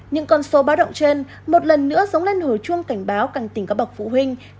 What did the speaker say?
những con số báo động trên một lần nữa giống lên hồi chuông cảnh báo càng tỉnh các bậc phụ huynh